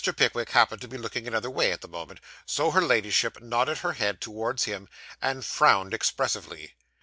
Pickwick happened to be looking another way at the moment, so her Ladyship nodded her head towards him, and frowned expressively.